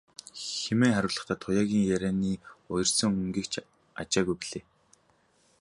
хэмээн хариулахдаа Туяагийн ярианы уярсан өнгийг ч ажаагүй билээ.